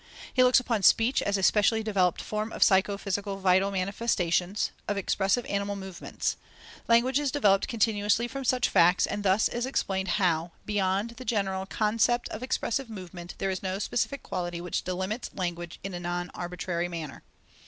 He looks upon speech as a specially developed form of psycho physical vital manifestations, of expressive animal movements. Language is developed continuously from such facts, and thus is explained how, "beyond the general concept of expressive movement, there is no specific quality which delimits language in a non arbitrary manner."